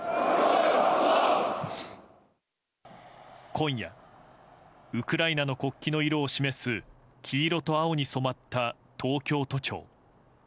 今夜ウクライナの国旗の色を示す黄色と青に染まった東京都庁。